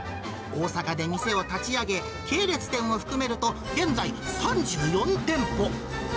大阪で店を立ち上げ、系列店も含めると、現在３４店舗。